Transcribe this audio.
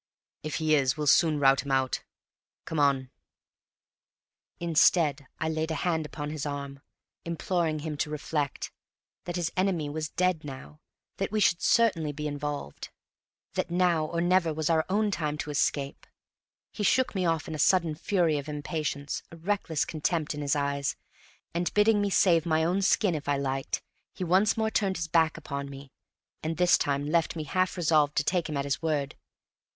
"If he is we'll soon rout him out. Come on!" Instead I laid a hand upon his arm, imploring him to reflect that his enemy was dead now that we should certainly be involved that now or never was our own time to escape. He shook me off in a sudden fury of impatience, a reckless contempt in his eyes, and, bidding me save my own skin if I liked, he once more turned his back upon me, and this time left me half resolved to take him at his word.